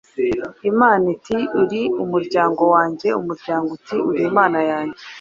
Imana iti:”Uri umuryango wanjye”, umuryango uti:” Uri Imana yanjye”